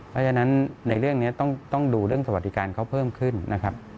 เพราะฉะนั้นในเรื่องนี้ต้องดูเรื่องสวัสดิการเขาเพิ่มขึ้นนะครับ